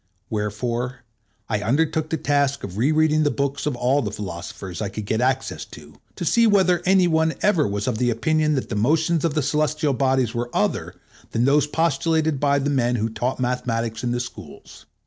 Wherefore I undertook the task of rereading the books of all the philosophers I could get access to, to see whether any one ever was of the opinion that the motions of the celestial bodies were other than those postulated by the men who taught mathematics in the schools.